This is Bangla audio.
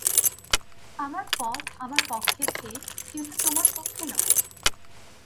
আমার পথ আমার পক্ষে ঠিক, কিন্তু তোমার পক্ষে নহে।